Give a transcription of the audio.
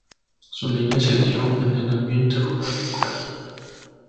Su niñez se dio en el ambiente rural de Ucrania.